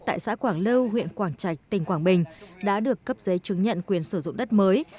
tại xã quảng lưu huyện quảng trạch tỉnh quảng bình đã được cấp giấy chứng nhận quyền sử dụng đất mới